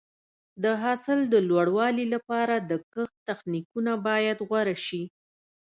د حاصل د لوړوالي لپاره د کښت تخنیکونه باید غوره شي.